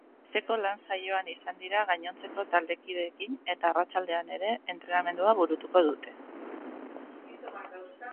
Goizeko lan saioan izan dira gainontzeko taldekideekin eta arratsaldean ere entrenamendua burutuko dute.